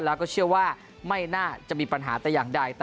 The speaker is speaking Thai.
แล้วก็เชื่อว่าไม่น่าจะมีปัญหาแต่อย่างใด